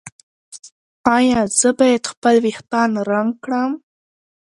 ایا زه باید خپل ویښتان رنګ کړم؟